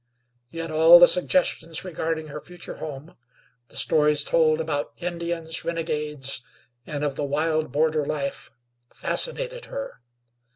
Yet all the suggestions regarding her future home; the stories told about Indians, renegades, and of the wild border life, fascinated her.